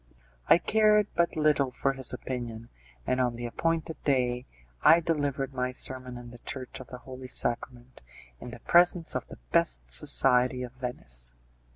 I cared but little for his opinion, and on the appointed day I delivered my sermon in the Church of the Holy Sacrament in the presence of the best society of Venice.